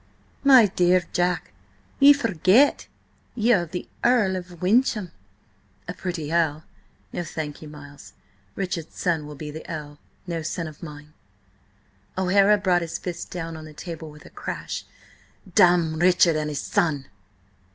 "My dear Jack, ye forget ye are the Earl of Wyncham." "A pretty earl! No thank you, Miles. Richard's son will be Earl–no son of mine." O'Hara brought his fist down on the table with a crash. "Damn Richard and his son!"